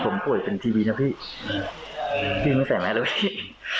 ผมป่วยเป็นทีบีนะพี่พี่ไม่ใส่แม่เลยพี่